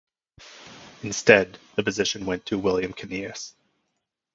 Instead, the position went to William Kneass.